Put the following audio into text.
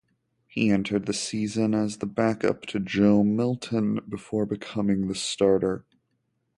He entered the season as the backup to Joe Milton before becoming the starter.